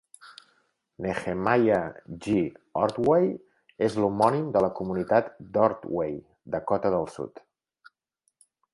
Nehemiah G. Ordway és l'homònim de la comunitat d'Ordway, Dakota del Sud.